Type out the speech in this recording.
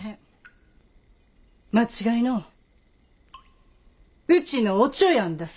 間違いのううちのおちょやんだす。